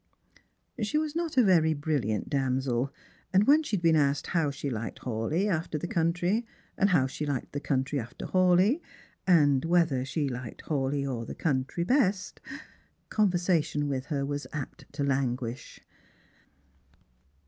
She was not a very brilliant damsel, and when she had been asked how she liked Hawleigh after the country, and how she liked the country after Hawleigh, and whether she liked Hawleigh or the country best, conversa tion with her was apt to languish.